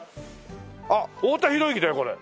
あっ太田博之だよこれ。